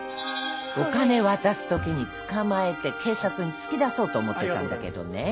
お金渡す時に捕まえて警察に突き出そうと思ってたんだけどね